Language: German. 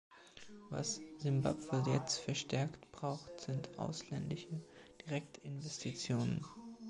Was Simbabwe jetzt verstärkt braucht, sind ausländische Direktinvestitionen.